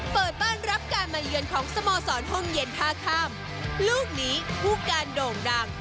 เปิดบ้านรับการมาเยือนของสเมอร์สอนห้องเย็น๕ค่ำลูกหนีภูกการโด่งรัง